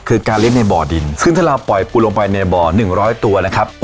คือการเลี้ยงในบ่อดินซึ่งถ้าเราปล่อยปูลงไปในบ่อหนึ่งร้อยตัวนะครับ